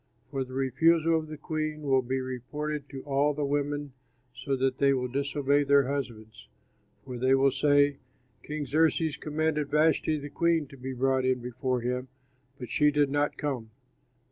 For the refusal of the queen will be reported to all the women so that they will disobey their husbands, for they will say, 'King Xerxes commanded Vashti, the queen, to be brought in before him, but she did not come!'